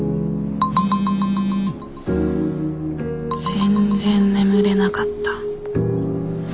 全然眠れなかった。